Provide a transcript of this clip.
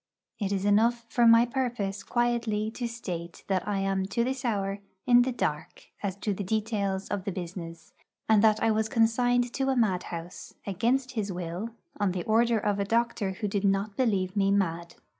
It is enough for my purpose quietly to state that I am to this hour in the dark as to the details of the business, and that I was consigned to a madhouse, against his will, on the order of a doctor who did not believe me mad.